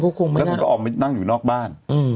มันคุ้มแล้วมันก็ออกมานั่งอยู่นอกบ้าน